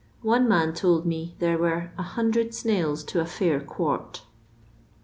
One man told me there were " 100 snails to a fitir quart."